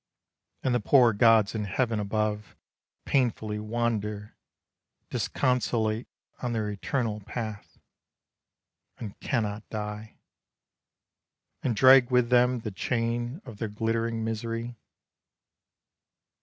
And the poor gods in heaven above Painfully wander Disconsolate on their eternal path, And cannot die; And drag with them The chain of their glittering misery.